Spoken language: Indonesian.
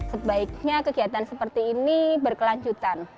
sebaiknya kegiatan seperti ini berkelanjutan